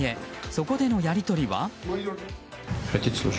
そこでのやり取りは？